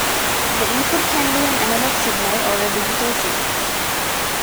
The input can be an analog signal or a digital signal.